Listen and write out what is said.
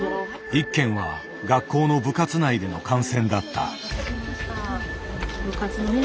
１件は学校の部活内での感染だった。